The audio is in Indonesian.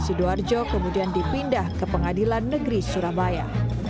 sidoarjo kemudian dipindah ke pengadilan negeri surabaya